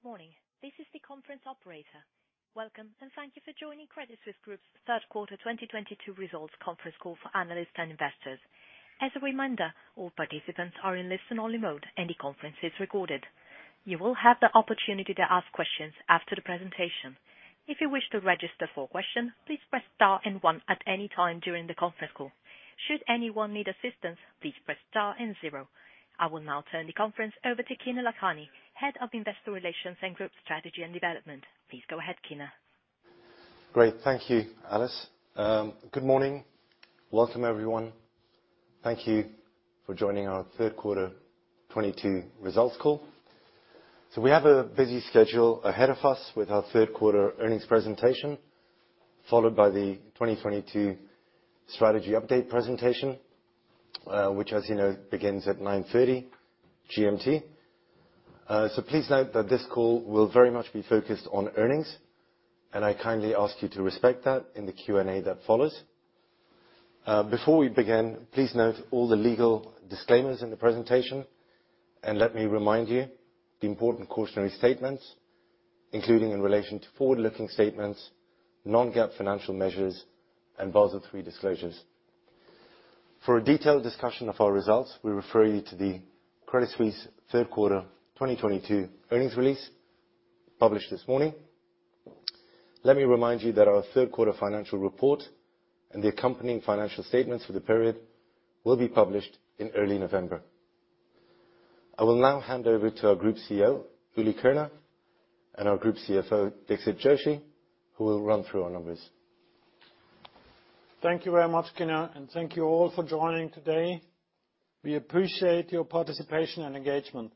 Good morning. This is the conference operator. Welcome and thank you for joining Credit Suisse Group's Q3 2022 results conference call for analysts and investors. As a reminder, all participants are in listen only mode and the conference is recorded. You will have the opportunity to ask questions after the presentation. If you wish to register for a question, please press star and one at any time during the conference call. Should anyone need assistance, please press star and zero. I will now turn the conference over to Kinner Lakhani, Head of Investor Relations and Group Strategy and Development. Please go ahead, Kinner. Great. Thank you, Alice. Good morning. Welcome, everyone. Thank you for joining our Q3 2022 results call. We have a busy schedule ahead of us with our Q3 earnings presentation, followed by the 2022 strategy update presentation, which, as you know, begins at 9:30 GMT. Please note that this call will very much be focused on earnings, and I kindly ask you to respect that in the Q&A that follows. Before we begin, please note all the legal disclaimers in the presentation and let me remind you the important cautionary statements, including in relation to forward-looking statements, non-GAAP financial measures, and Basel III disclosures. For a detailed discussion of our results, we refer you to the Credit Suisse Q3 2022 earnings release published this morning. Let me remind you that our third quarter financial report and the accompanying financial statements for the period will be published in early November. I will now hand over to our Group CEO, Ulrich Körner, and our Group CFO, Dixit Joshi, who will run through our numbers. Thank you very much, Kinner, and thank you all for joining today. We appreciate your participation and engagement.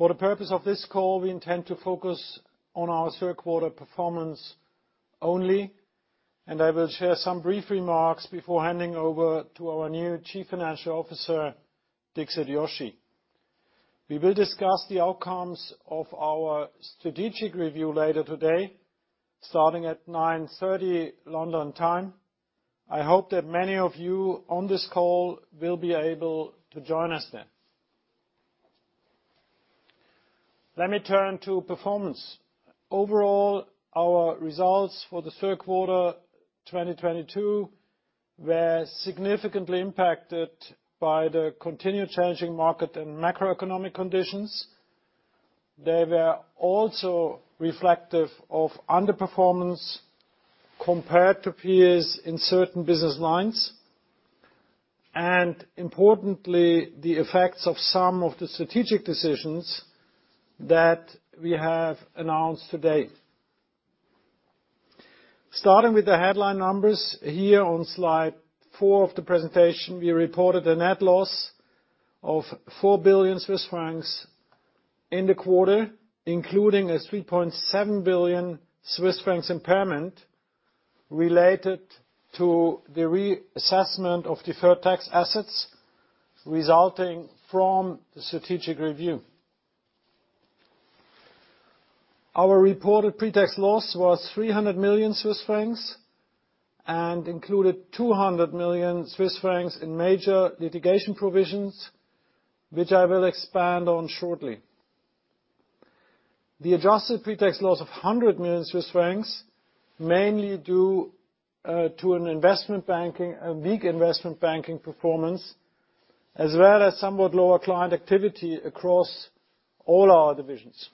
For the purpose of this call, we intend to focus on our third quarter performance only, and I will share some brief remarks before handing over to our new Chief Financial Officer, Dixit Joshi. We will discuss the outcomes of our strategic review later today, starting at 9:30 A.M. London time. I hope that many of you on this call will be able to join us then. Let me turn to performance. Overall, our results for Q3 2022 were significantly impacted by the continued changing market and macroeconomic conditions. They were also reflective of underperformance compared to peers in certain business lines, and importantly, the effects of some of the strategic decisions that we have announced to date. Starting with the headline numbers here on slide 4 of the presentation, we reported a net loss of 4 billion Swiss francs in the quarter, including a 3.7 billion Swiss francs impairment related to the reassessment of deferred tax assets resulting from the strategic review. Our reported pre-tax loss was 300 million Swiss francs and included 200 million Swiss francs in major litigation provisions, which I will expand on shortly. The adjusted pre-tax loss of 100 million Swiss francs, mainly due to a weak investment banking performance, as well as somewhat lower client activity across all our divisions.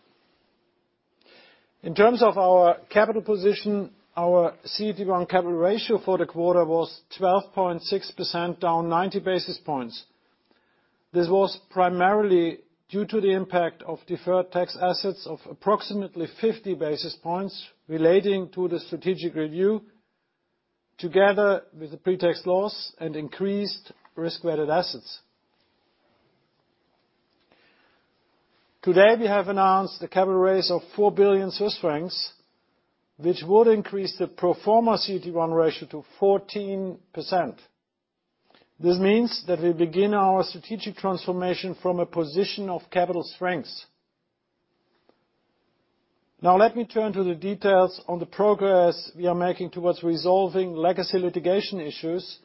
In terms of our capital position, our CET1 capital ratio for the quarter was 12.6%, down 90 basis points. This was primarily due to the impact of deferred tax assets of approximately 50 basis points relating to the strategic review, together with the pre-tax loss and increased risk-weighted assets. Today, we have announced a capital raise of 4 billion Swiss francs, which would increase the pro forma CET1 ratio to 14%. This means that we begin our strategic transformation from a position of capital strength. Now let me turn to the details on the progress we are making towards resolving legacy litigation issues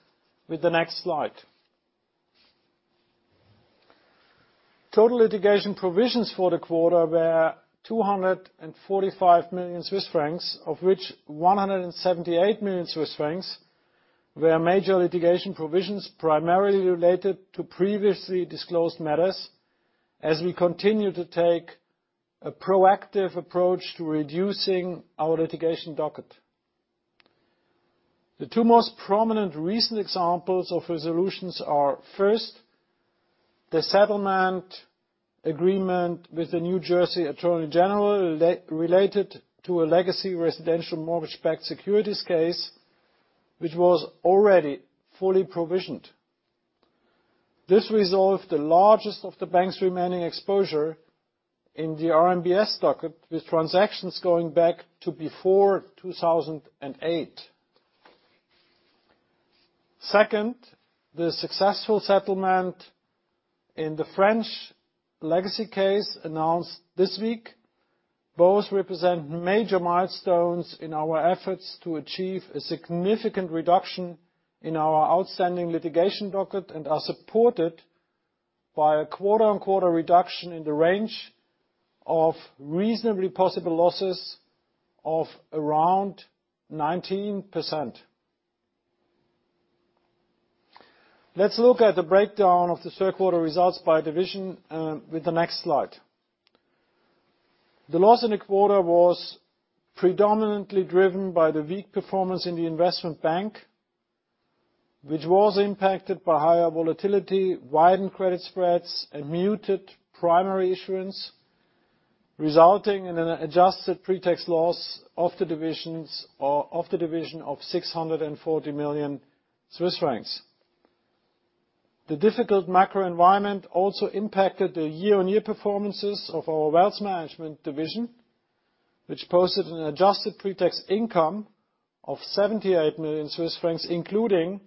with the next slide. Total litigation provisions for the quarter were 245 million Swiss francs, of which 178 million Swiss francs were major litigation provisions primarily related to previously disclosed matters as we continue to take a proactive approach to reducing our litigation docket. The two most prominent recent examples of resolutions are, first, the settlement agreement with the New Jersey Attorney General related to a legacy residential mortgage-backed securities case, which was already fully provisioned. This resolved the largest of the bank's remaining exposure in the RMBS docket, with transactions going back to before 2008. Second, the successful settlement in the French legacy case announced this week. Both represent major milestones in our efforts to achieve a significant reduction in our outstanding litigation docket and are supported by a quarter-on-quarter reduction in the range of reasonably possible losses of around 19%. Let's look at the breakdown of Q3 results by division, with the next slide. The loss in the quarter was predominantly driven by the weak performance in the investment bank, which was impacted by higher volatility, widened credit spreads, and muted primary issuance, resulting in an adjusted pre-tax loss of the division of 640 million Swiss francs. The difficult macro environment also impacted the year-on-year performances of our wealth management division, which posted an adjusted pre-tax income of 78 million Swiss francs, including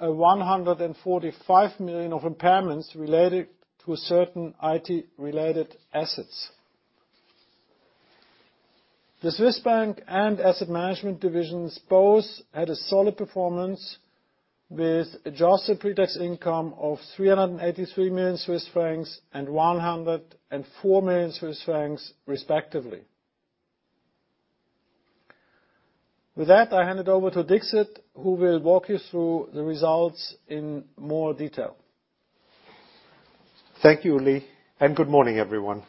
one hundred and forty-five million of impairments related to certain IT-related assets. The Swiss Bank and Asset Management divisions both had a solid performance with adjusted pre-tax income of 383 million Swiss francs and 104 million Swiss francs respectively. With that, I hand it over to Dixit, who will walk you through the results in more detail. Thank you, Ulrich, and good morning, everyone.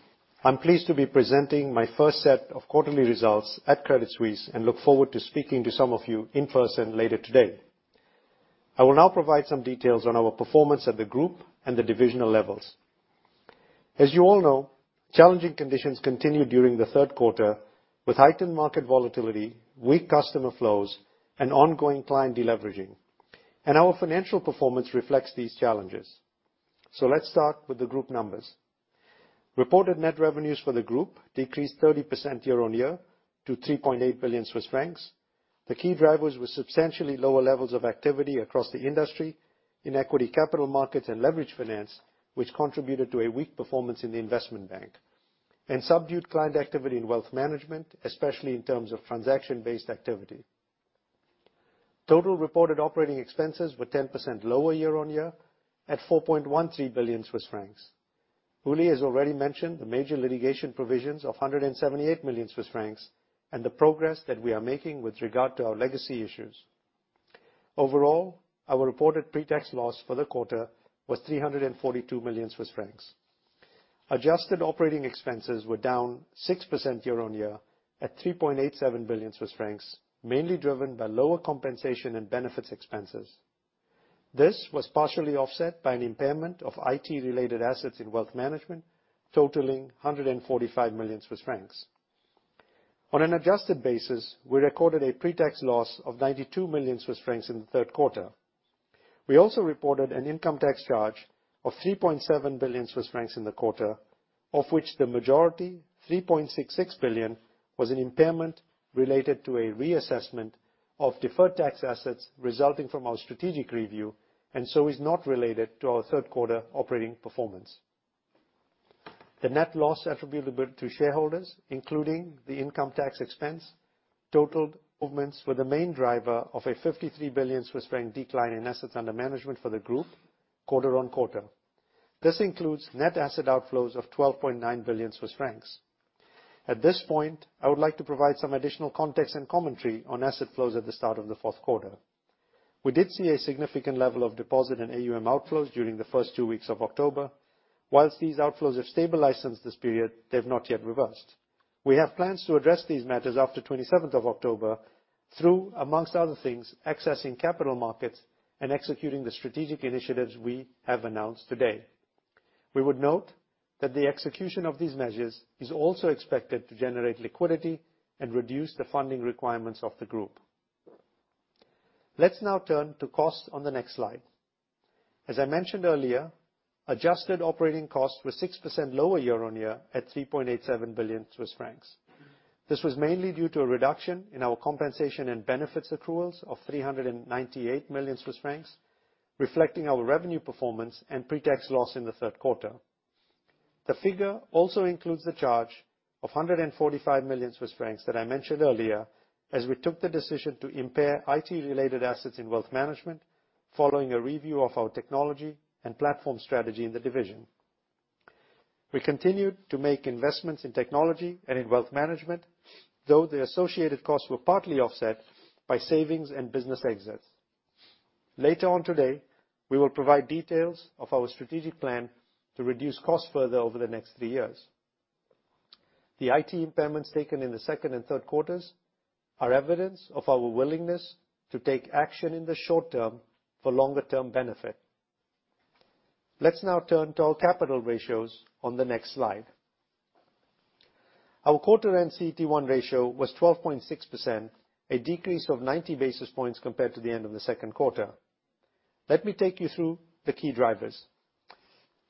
I'm pleased to be presenting my first set of quarterly results at Credit Suisse and look forward to speaking to some of you in person later today. I will now provide some details on our performance at the group and the divisional levels. As you all know, challenging conditions continued during Q3 with heightened market volatility, weak customer flows, and ongoing client deleveraging. Our financial performance reflects these challenges. Let's start with the group numbers. Reported net revenues for the group decreased 30% year-on-year to 3.8 billion Swiss francs. The key drivers were substantially lower levels of activity across the industry in equity capital markets and leverage finance, which contributed to a weak performance in the investment bank, and subdued client activity in wealth management, especially in terms of transaction-based activity. Total reported operating expenses were 10% lower year-on-year at 4.13 billion Swiss francs. Ulrich has already mentioned the major litigation provisions of 178 million Swiss francs and the progress that we are making with regard to our legacy issues. Overall, our reported pre-tax loss for the quarter was 342 million Swiss francs. Adjusted operating expenses were down 6% year-on-year at 3.87 billion Swiss francs, mainly driven by lower compensation and benefits expenses. This was partially offset by an impairment of IT-related assets in wealth management, totaling 145 million Swiss francs. On an adjusted basis, we recorded a pre-tax loss of 92 million Swiss francs in the third quarter. We also reported an income tax charge of 3.7 billion Swiss francs in the quarter, of which the majority, 3.66 billion, was an impairment related to a reassessment of deferred tax assets resulting from our strategic review, and so is not related to our Q3 operating performance. The net loss attributable to shareholders, including the income tax expense, totaled. Movements were the main driver of a 53 billion Swiss franc decline in assets under management for the group quarter-over-quarter. This includes net asset outflows of 12.9 billion Swiss francs. At this point, I would like to provide some additional context and commentary on asset flows at the start of Q4. We did see a significant level of deposits and AUM outflows during the first two weeks of October. While these outflows have stabilized since this period, they've not yet reversed. We have plans to address these matters after the twenty-seventh of October through, among other things, accessing capital markets and executing the strategic initiatives we have announced today. We would note that the execution of these measures is also expected to generate liquidity and reduce the funding requirements of the group. Let's now turn to costs on the next slide. As I mentioned earlier, adjusted operating costs were 6% lower year-on-year at 3.87 billion Swiss francs. This was mainly due to a reduction in our compensation and benefits accruals of 398 million Swiss francs, reflecting our revenue performance and pre-tax loss in the third quarter. The figure also includes the charge of 145 million Swiss francs that I mentioned earlier, as we took the decision to impair IT-related assets in wealth management following a review of our technology and platform strategy in the division. We continued to make investments in technology and in wealth management, though the associated costs were partly offset by savings and business exits. Later on today, we will provide details of our strategic plan to reduce costs further over the next three years. The IT impairments taken in Q2 and Q3 are evidence of our willingness to take action in the short term for longer-term benefit. Let's now turn to our capital ratios on the next slide. Our quarter-end CET1 ratio was 12.6%, a decrease of 90 basis points compared to the end of Q2. Let me take you through the key drivers.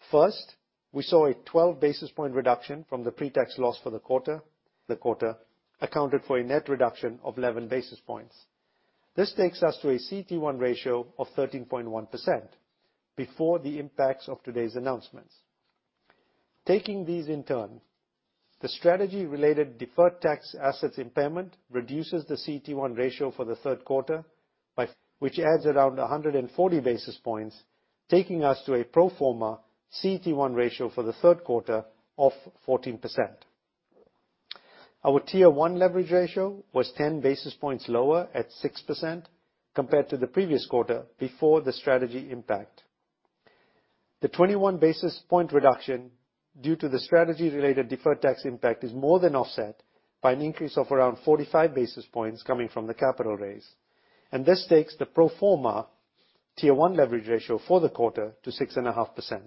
First, we saw a 12 basis point reduction from the pre-tax loss for the quarter. The quarter accounted for a net reduction of 11 basis points. This takes us to a CET1 ratio of 13.1% before the impacts of today's announcements. Taking these in turn, the strategy-related deferred tax assets impairment reduces the CET1 ratio for Q3 by which adds around 140 basis points, taking us to a pro forma CET1 ratio for Q3 of 14%. Our Tier 1 leverage ratio was 10 basis points lower at 6% compared to the previous quarter before the strategy impact. The 21 basis point reduction due to the strategy-related deferred tax impact is more than offset by an increase of around 45 basis points coming from the capital raise, and this takes the pro forma Tier 1 leverage ratio for the quarter to 6.5%.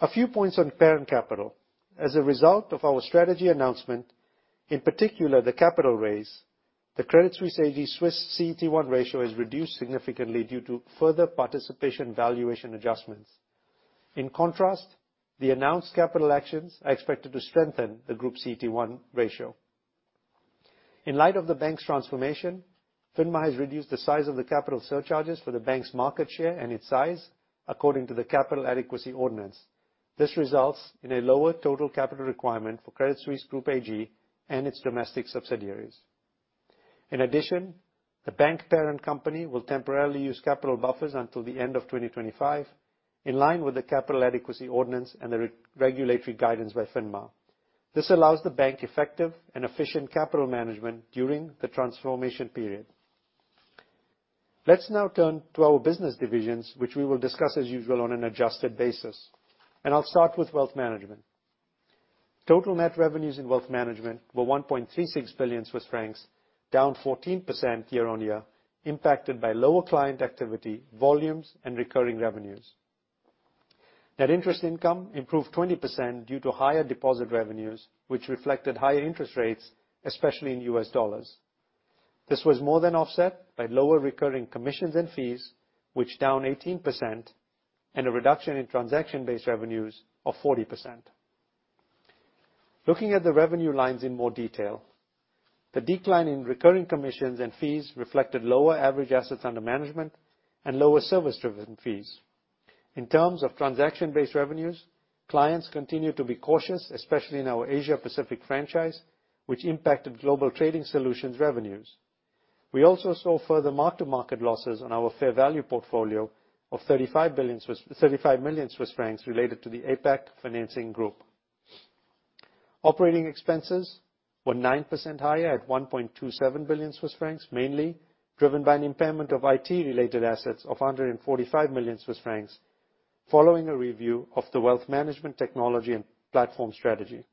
A few points on parent capital. As a result of our strategy announcement, in particular, the capital raise, the Credit Suisse AG Swiss CET1 ratio is reduced significantly due to further participation valuation adjustments. In contrast, the announced capital actions are expected to strengthen the Group CET1 ratio. In light of the bank's transformation, FINMA has reduced the size of the capital surcharges for the bank's market share and its size according to the Capital Adequacy Ordinance. This results in a lower total capital requirement for Credit Suisse Group AG and its domestic subsidiaries. In addition, the bank parent company will temporarily use capital buffers until the end of 2025, in line with the Capital Adequacy Ordinance and the regulatory guidance by FINMA. This allows the bank effective and efficient capital management during the transformation period. Let's now turn to our business divisions, which we will discuss as usual on an adjusted basis, and I'll start with wealth management. Total net revenues in wealth management were 1.36 billion Swiss francs, down 14% year-on-year, impacted by lower client activity, volumes, and recurring revenues. Net interest income improved 20% due to higher deposit revenues, which reflected higher interest rates, especially in US dollars. This was more than offset by lower recurring commissions and fees, which down 18%, and a reduction in transaction-based revenues of 40%. Looking at the revenue lines in more detail, the decline in recurring commissions and fees reflected lower average assets under management and lower service-driven fees. In terms of transaction-based revenues, clients continue to be cautious, especially in our Asia-Pacific franchise, which impacted global trading solutions revenues. We also saw further mark-to-market losses on our fair value portfolio of 35 million Swiss francs related to the APAC Financing Group. Operating expenses were 9% higher at 1.27 billion Swiss francs, mainly driven by an impairment of IT-related assets of 145 million Swiss francs following a review of the wealth management technology and platform strategy.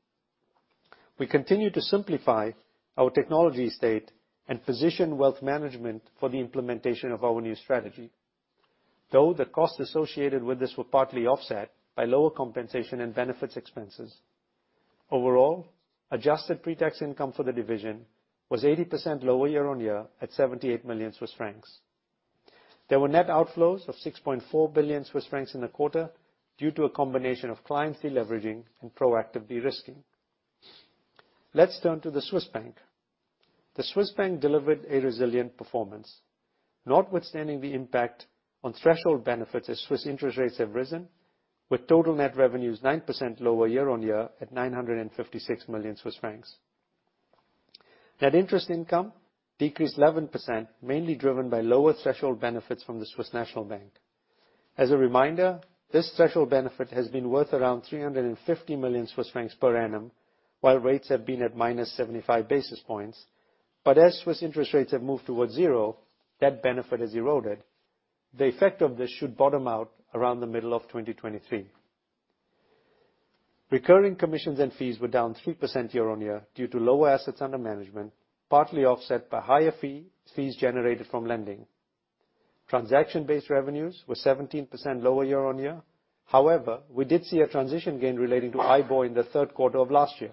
We continue to simplify our tech stack and position wealth management for the implementation of our new strategy, though the costs associated with this were partly offset by lower compensation and benefits expenses. Overall, adjusted pre-tax income for the division was 80% lower year-on-year at 78 million Swiss francs. There were net outflows of 6.4 billion Swiss francs in the quarter due to a combination of clients deleveraging and proactively de-risking. Let's turn to the Swiss bank. The Swiss bank delivered a resilient performance. Notwithstanding the impact on threshold benefits as Swiss interest rates have risen, with total net revenues 9% lower year-on-year at 956 million Swiss francs. Net interest income decreased 11%, mainly driven by lower threshold benefits from the Swiss National Bank. As a reminder, this threshold benefit has been worth around 350 million Swiss francs per annum, while rates have been at -75 basis points. As Swiss interest rates have moved towards zero, that benefit has eroded. The effect of this should bottom out around the middle of 2023. Recurring commissions and fees were down 3% year-on-year due to lower assets under management, partly offset by higher fees generated from lending. Transaction-based revenues were 17% lower year-on-year. However, we did see a transition gain relating to IPO in Q3 of last year.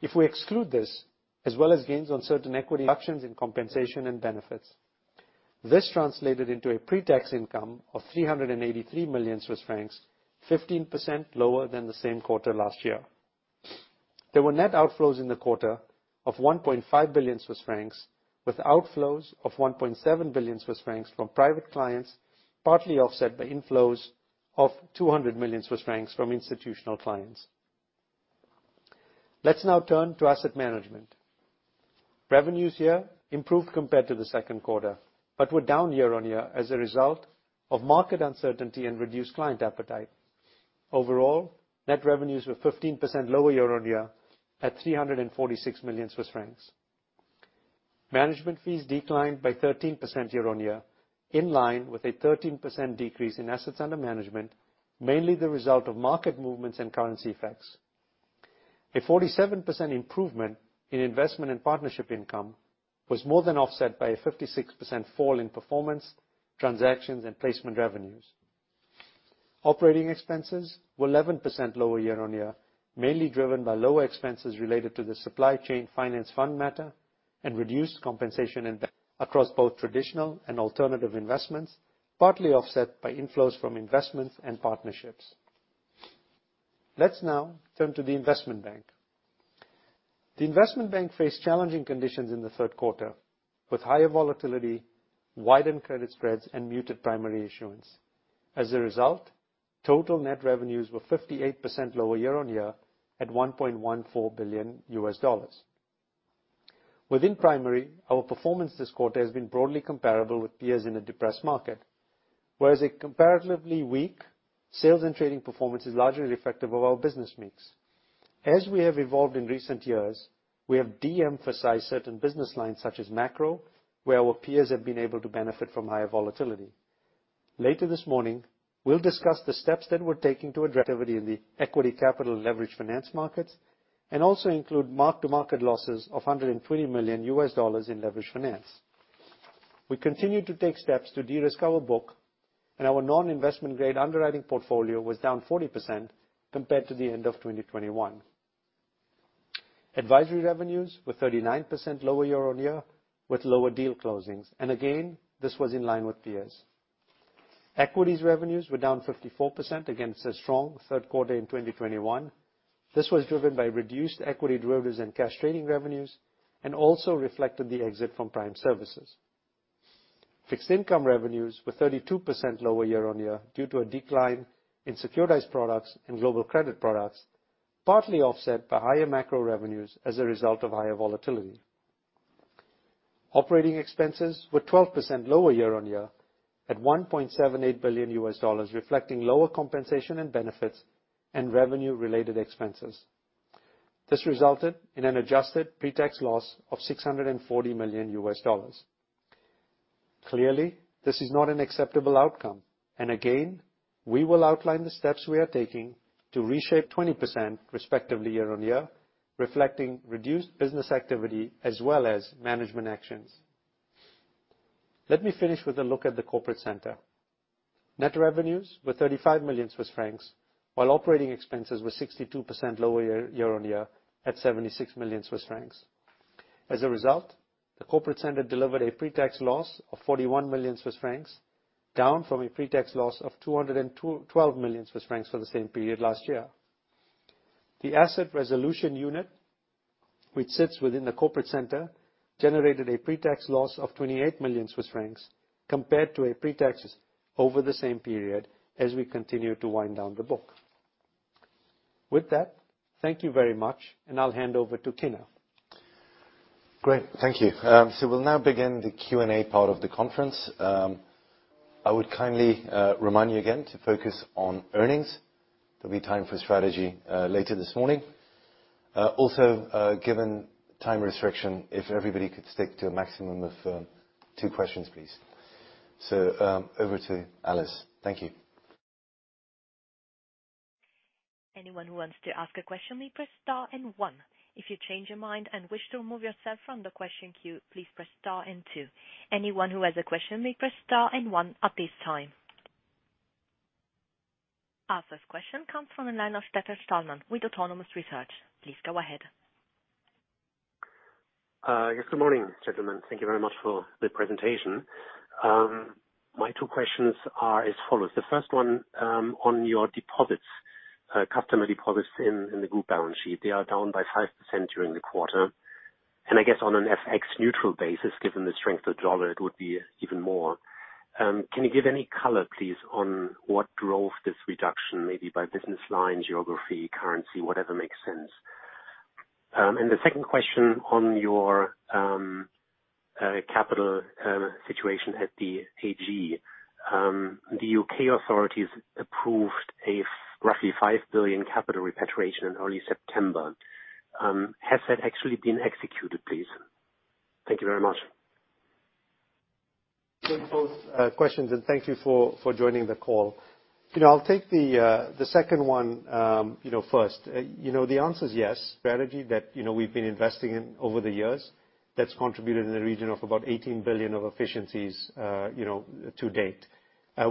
If we exclude this, as well as gains on certain equity actions in compensation and benefits. This translated into a pre-tax income of 383 million Swiss francs, 15% lower than the same quarter last year. There were net outflows in the quarter of 1.5 billion Swiss francs, with outflows of 1.7 billion Swiss francs from private clients, partly offset by inflows of 200 million Swiss francs from institutional clients. Let's now turn to asset management. Revenues here improved compared to Q2, but were down year-on-year as a result of market uncertainty and reduced client appetite. Overall, net revenues were 15% lower year-on-year at 346 million Swiss francs. Management fees declined by 13% year-on-year, in line with a 13% decrease in assets under management, mainly the result of market movements and currency effects. A 47% improvement in investment and partnership income was more than offset by a 56% fall in performance, transactions, and placement revenues. Operating expenses were 11% lower year-on-year, mainly driven by lower expenses related to the supply chain finance fund matter and reduced compensation across both traditional and alternative investments, partly offset by inflows from investments and partnerships. Let's now turn to the investment bank. The investment bank faced challenging conditions in Q3, with higher volatility, widened credit spreads, and muted primary issuance. As a result, total net revenues were 58% lower year-on-year at $1.14 billion. Within primary, our performance this quarter has been broadly comparable with peers in a depressed market, whereas a comparatively weak sales and trading performance is largely reflective of our business mix. As we have evolved in recent years, we have de-emphasized certain business lines such as macro, where our peers have been able to benefit from higher volatility. Later this morning, we'll discuss the steps that we're taking to address activity in the equity capital and leverage finance markets, and also include mark-to-market losses of $120 million in leverage finance. We continue to take steps to de-risk our book, and our non-investment grade underwriting portfolio was down 40% compared to the end of 2021. Advisory revenues were 39% lower year-on-year with lower deal closings. Again, this was in line with peers. Equities revenues were down 54% against a strong third quarter in 2021. This was driven by reduced equity derivatives and cash trading revenues, and also reflected the exit from prime services. Fixed income revenues were 32% lower year-on-year due to a decline in securitized products and global credit products, partly offset by higher macro revenues as a result of higher volatility. Operating expenses were 12% lower year-on-year at $1.78 billion, reflecting lower compensation and benefits and revenue-related expenses. This resulted in an adjusted pre-tax loss of $640 million. Clearly, this is not an acceptable outcome, and again, we will outline the steps we are taking. 20% respectively year-on-year, reflecting reduced business activity as well as management actions. Let me finish with a look at the corporate center. Net revenues were 35 million Swiss francs, while operating expenses were 62% lower year-on-year at 76 million Swiss francs. As a result, the corporate center delivered a pre-tax loss of 41 million Swiss francs, down from a pre-tax loss of 212 million Swiss francs for the same period last year. The asset resolution unit, which sits within the corporate center, generated a pre-tax loss of 28 million Swiss francs compared to a pre-tax loss over the same period as we continue to wind down the book. With that, thank you very much, and I'll hand over to Kinner Lakhani. Great. Thank you. We'll now begin the Q&A part of the conference. I would kindly remind you again to focus on earnings. There'll be time for strategy later this morning. Also, given time restriction, if everybody could stick to a maximum of two questions, please. Over to Alice. Thank you. Anyone who wants to ask a question may press star and one. If you change your mind and wish to remove yourself from the question queue, please press star and two. Anyone who has a question may press star and one at this time. Our first question comes from the line of Detlev Stahlmann with Autonomous Research. Please go ahead. Yes. Good morning, gentlemen. Thank you very much for the presentation. My two questions are as follows. The first one, on your deposits, customer deposits in the group balance sheet. They are down by 5% during the quarter. I guess on an FX neutral basis, given the strength of dollar, it would be even more. Can you give any color, please, on what drove this reduction maybe by business line, geography, currency, whatever makes sense? And the second question on your capital situation at the AG. The UK authorities approved a roughly 5 billion capital repatriation in early September. Has that actually been executed, please? Thank you very much. Thank you for those questions, and thank you for joining the call. You know, I'll take the second one, you know, first. You know, the answer is yes. Strategy that, you know, we've been investing in over the years, that's contributed in the region of about 18 billion of efficiencies, you know, to date.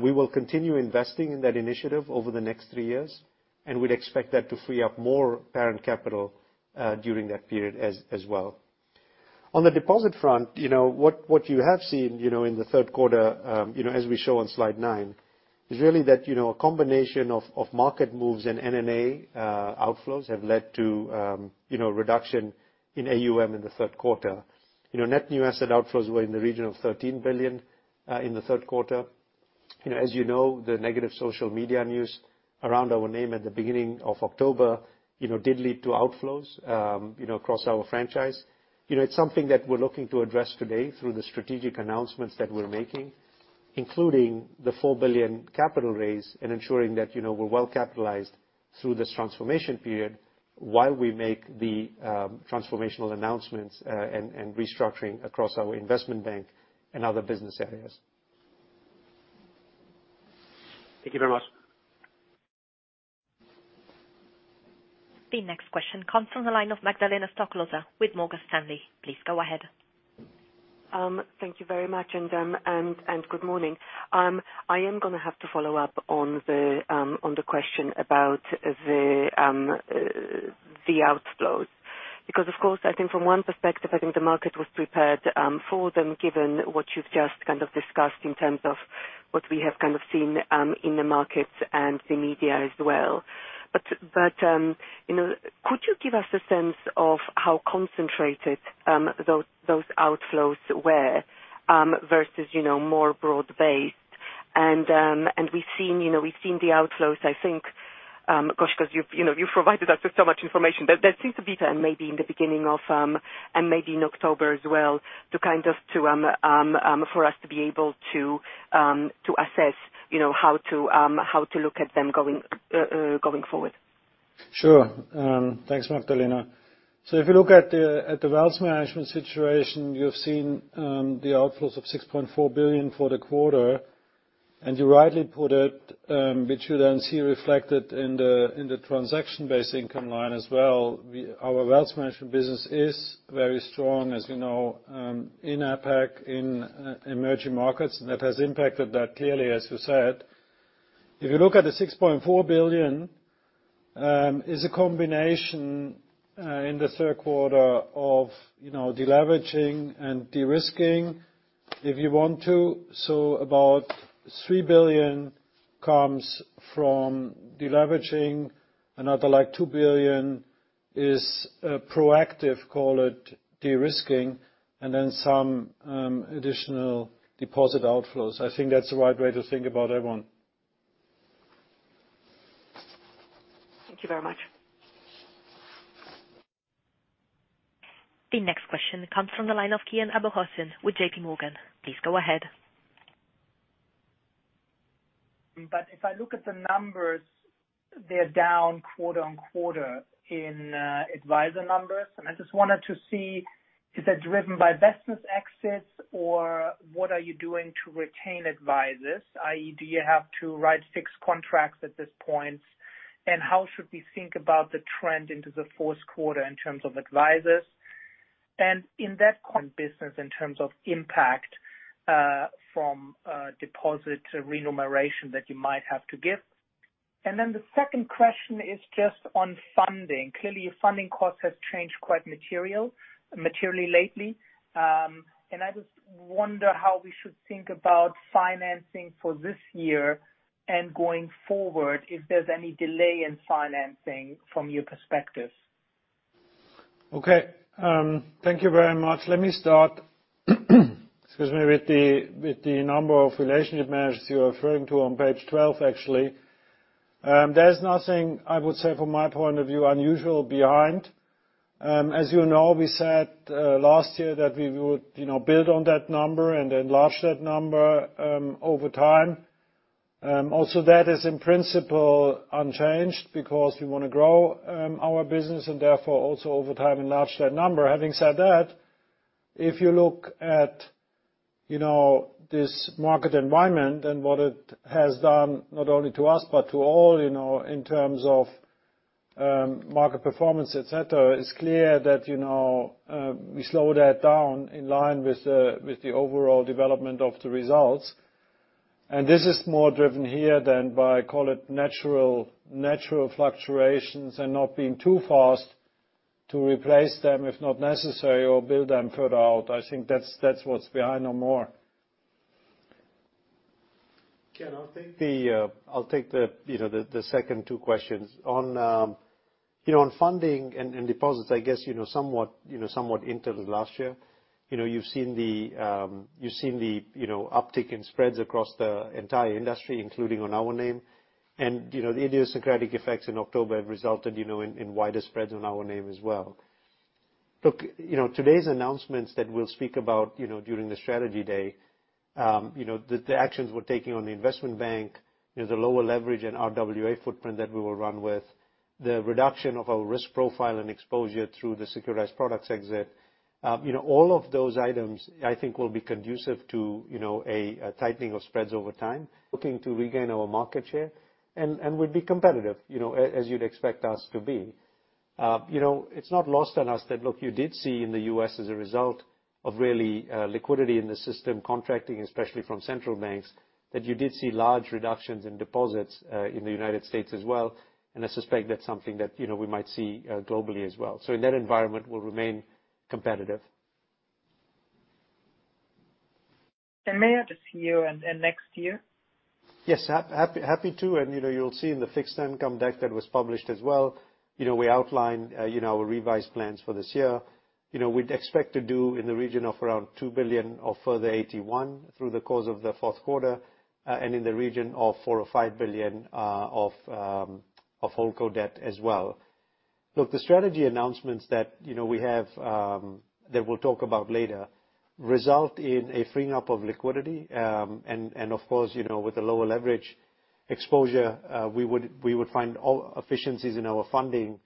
We will continue investing in that initiative over the next three years, and we'd expect that to free up more parent capital, during that period as well. On the deposit front, you know, what you have seen, you know, in Q3, you know, as we show on slide 9, is really that, you know, a combination of market moves and NNA outflows have led to, you know, reduction in AUM in Q3. You know, net new asset outflows were in the region of 13 billion in Q3. You know, as you know, the negative social media news around our name at the beginning of October, you know, did lead to outflows, you know, across our franchise. You know, it's something that we're looking to address today through the strategic announcements that we're making, including the 4 billion capital raise and ensuring that, you know, we're well capitalized through this transformation period while we make the transformational announcements, and restructuring across our investment bank and other business areas. Thank you very much. The next question comes from the line of Magdalena Stoklosa with Morgan Stanley. Please go ahead. Thank you very much and good morning. I am gonna have to follow up on the question about the outflows. Because of course, I think from one perspective, the market was prepared for them, given what you've just kind of discussed in terms of what we have kind of seen in the market and the media as well. You know, could you give us a sense of how concentrated those outflows were versus you know, more broad-based? We've seen you know, the outflows, I think, 'cause you've you know, provided us with so much information. There seems to be maybe in the beginning of and maybe in October as well to kind of for us to be able to to assess you know how to look at them going forward. Sure. Thanks, Magdalena. If you look at the wealth management situation, you've seen the outflows of 6.4 billion for the quarter, and you rightly put it, which you then see reflected in the transaction-based income line as well. Our wealth management business is very strong, as you know, in APAC, in emerging markets, and that has impacted that clearly, as you said. If you look at the 6.4 billion is a combination in the third quarter of, you know, deleveraging and de-risking, if you want to. About 3 billion comes from deleveraging. Another, like, 2 billion is proactive, call it de-risking, and then some additional deposit outflows. I think that's the right way to think about it, Magdalena. Thank you very much. The next question comes from the line of Kian Abouhossein with JPMorgan. Please go ahead. If I look at the numbers, they're down quarter-over-quarter in advisor numbers. I just wanted to see, is that driven by business exits or what are you doing to retain advisors? i.e., do you have to write fixed contracts at this point? How should we think about the trend into Q4 in terms of advisors? In that current business in terms of impact from deposit remuneration that you might have to give. The second question is just on funding. Clearly, your funding cost has changed quite materially lately, and I just wonder how we should think about financing for this year and going forward, if there's any delay in financing from your perspective. Okay, thank you very much. Let me start, excuse me, with the number of relationship managers you're referring to on page 12, actually. There's nothing, I would say, from my point of view, unusual behind. As you know, we said last year that we would, you know, build on that number and enlarge that number over time. Also that is in principle unchanged because we wanna grow our business and therefore also over time enlarge that number. Having said that, if you look at, you know, this market environment and what it has done not only to us but to all, you know, in terms of market performance, et cetera, it's clear that, you know, we slow that down in line with the overall development of the results. This is more driven here than by, call it, natural fluctuations and not being too fast to replace them if not necessary or build them further out. I think that's what's behind or more. Kian, I'll take the, you know, the second two questions. On, you know, on funding and deposits, I guess, you know, somewhat into last year. You know, you've seen the uptick in spreads across the entire industry, including on our name. The idiosyncratic effects in October have resulted, you know, in wider spreads on our name as well. Look, you know, today's announcements that we'll speak about, you know, during the strategy day, you know, the actions we're taking on the investment bank, you know, the lower leverage and RWA footprint that we will run with, the reduction of our risk profile and exposure through the securitized products exit. You know, all of those items, I think will be conducive to, you know, a tightening of spreads over time. Looking to regain our market share and we'll be competitive, you know, as you'd expect us to be. You know, it's not lost on us that, look, you did see in the U.S. as a result of really, liquidity in the system contracting, especially from central banks, that you did see large reductions in deposits in the United States as well, and I suspect that's something that, you know, we might see globally as well. In that environment, we'll remain competitive. May I just see you and next year? Yes, happy to. You know, you'll see in the fixed income deck that was published as well, you know, we outlined, you know, our revised plans for this year. You know, we'd expect to do in the region of around 2 billion of further AT1 through the course of the fourth quarter, and in the region of 4 billion or 5 billion of HoldCo debt as well. Look, the strategy announcements that, you know, we have, that we'll talk about later, result in a freeing up of liquidity. Of course, you know, with the lower leverage exposure, we would find all efficiencies in our funding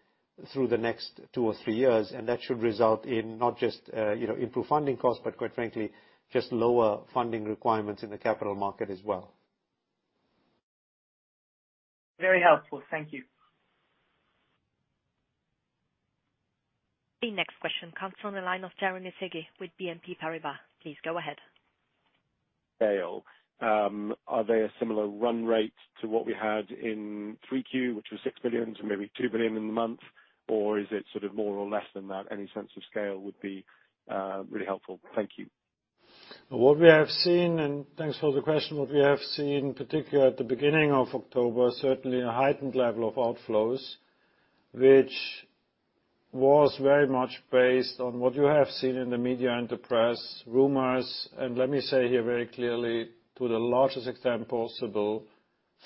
through the next two or three years, and that should result in not just, you know, improved funding costs, but quite frankly, just lower funding requirements in the capital market as well. Very helpful. Thank you. The next question comes from the line of Jeremy Sigee with BNP Paribas. Please go ahead. Are they a similar run rate to what we had in 3Q, which was 6 billion to maybe 2 billion in the month? Or is it sort of more or less than that? Any sense of scale would be really helpful. Thank you. Thanks for the question. What we have seen, particularly at the beginning of October, certainly a heightened level of outflows, which was very much based on what you have seen in the media and the press, rumors, and let me say here very clearly, to the largest extent possible,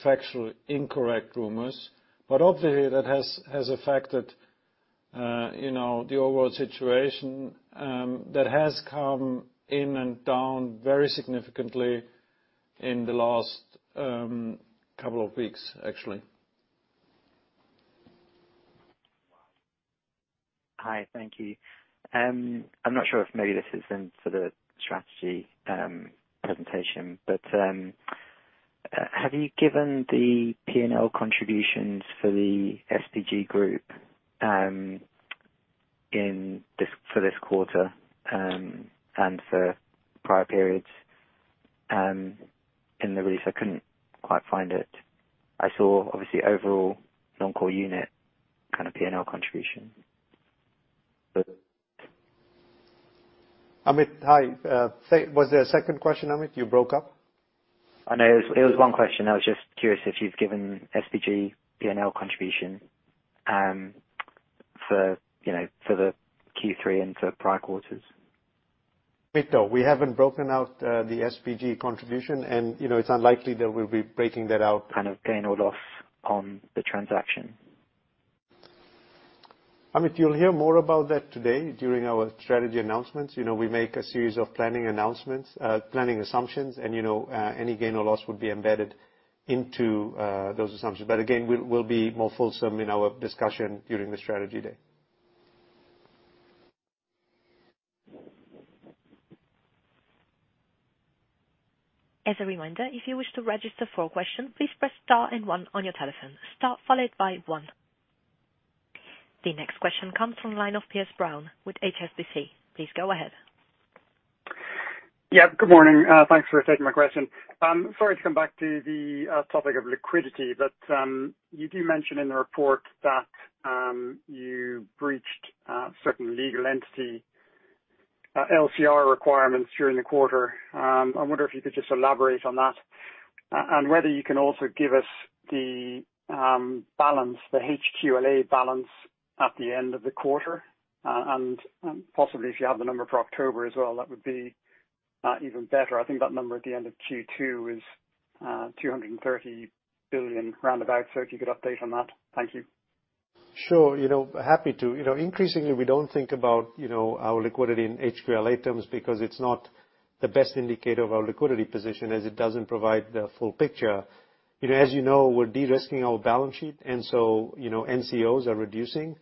factually incorrect rumors. Obviously, that has affected, you know, the overall situation, that has calmed down very significantly in the last couple of weeks, actually. Hi, thank you. I'm not sure if maybe this is in for the strategy presentation, but have you given the P&L contributions for the SPG group in this, for this quarter, and for prior periods? In the release, I couldn't quite find it. I saw obviously overall non-core unit kind of P&L contribution. Amit, hi. Was there a second question, Amit? You broke up. I know. It was one question. I was just curious if you've given SPG P&L contribution, you know, for the Q3 and for prior quarters. Amit, no. We haven't broken out, the SPG contribution and, you know, it's unlikely that we'll be breaking that out. Kind of gain or loss on the transaction. Amit, you'll hear more about that today during our strategy announcements. You know, we make a series of planning announcements, planning assumptions and, you know, any gain or loss would be embedded into those assumptions. Again, we'll be more fulsome in our discussion during the strategy day. As a reminder, if you wish to register for a question, please press star and one on your telephone. Star followed by one. The next question comes from the line of Piers Brown with HSBC. Please go ahead. Good morning. Thanks for taking my question. Sorry to come back to the topic of liquidity, but you do mention in the report that you breached certain legal entity LCR requirements during the quarter. I wonder if you could just elaborate on that, and whether you can also give us the balance, the HQLA balance at the end of the quarter, and possibly if you have the number for October as well, that would be even better. I think that number at the end of Q2 is 230 billion round about. If you could update on that. Thank you. Sure. You know, happy to. You know, increasingly, we don't think about, you know, our liquidity in HQLA terms because it's not the best indicator of our liquidity position, as it doesn't provide the full picture. You know, as you know, we're de-risking our balance sheet and so, you know, NCOs are reducing.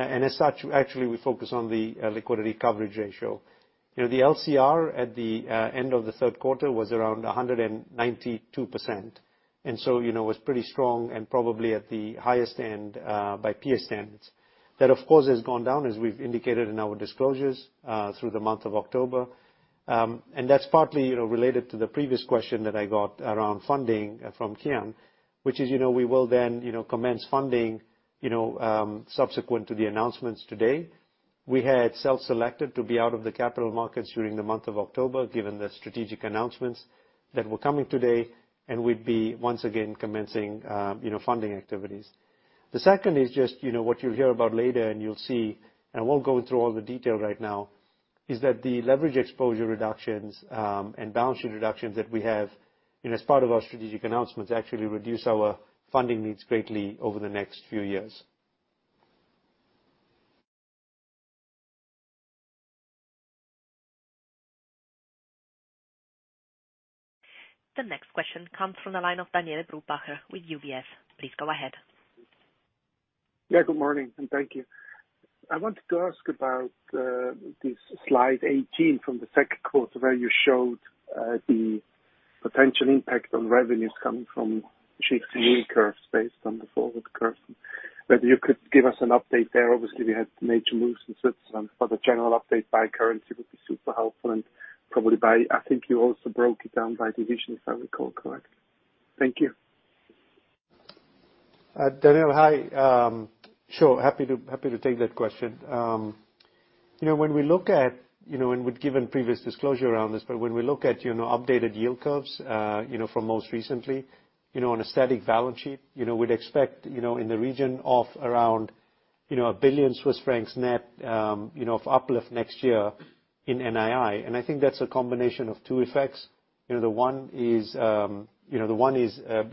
As such, actually, we focus on the liquidity coverage ratio. You know, the LCR at the end of the third quarter was around 192%. You know, was pretty strong and probably at the highest end by peer standards. That, of course, has gone down, as we've indicated in our disclosures through the month of October. That's partly, you know, related to the previous question that I got around funding from Kian, which is, you know, we will then, you know, commence funding, you know, subsequent to the announcements today. We had self-selected to be out of the capital markets during the month of October, given the strategic announcements that were coming today, and we'd be once again commencing, you know, funding activities. The second is just, you know, what you'll hear about later and you'll see, and I won't go through all the detail right now, is that the leverage exposure reductions, and balance sheet reductions that we have, you know, as part of our strategic announcements, actually reduce our funding needs greatly over the next few years. The next question comes from the line of Daniele Brupbacher with UBS. Please go ahead. Yeah, good morning, and thank you. I wanted to ask about this slide 18 from the second quarter, where you showed the potential impact on revenues coming from shifts in yield curves based on the forward curves. Whether you could give us an update there. Obviously, we had major moves since then, but a general update by currency would be super helpful and probably by division. I think you also broke it down by division, if I recall correctly. Thank you. Daniele, hi. Sure. Happy to take that question. You know, when we look at, you know, and we've given previous disclosure around this, but when we look at, you know, updated yield curves, you know, from most recently, you know, on a static balance sheet, you know, we'd expect, you know, in the region of around, you know, 1 billion Swiss francs net, you know, of uplift next year in NII. I think that's a combination of two effects. You know, the one is, you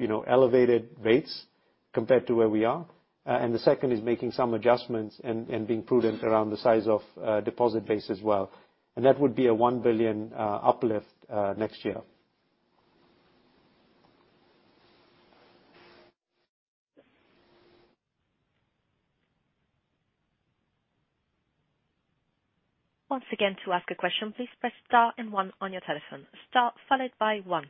know, elevated rates compared to where we are. And the second is making some adjustments and being prudent around the size of deposit base as well. That would be a 1 billion uplift next year. Once again, to ask a question, please press star and one on your telephone. Star followed by one.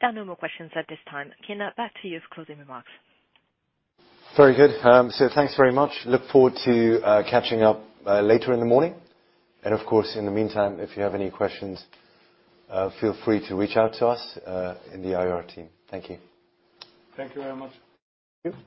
There are no more questions at this time. Kian, back to you for closing remarks. Very good. Thanks very much. Look forward to catching up later in the morning. Of course, in the meantime, if you have any questions, feel free to reach out to us in the IR team. Thank you. Thank you very much. Thank you.